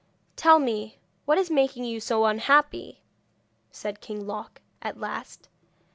'Tell me what is making you so unhappy?' said King Loc, at last.